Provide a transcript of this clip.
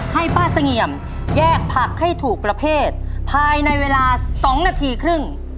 ให้ป้าเสงี่ยมแยกผักให้ถูกประเภทภายในเวลา๒นาทีครึ่ง